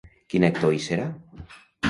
Quin actor hi serà?